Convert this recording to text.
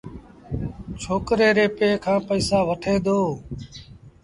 ڇوڪري ري پي کآݩ پئيٚسآ وٺي دو۔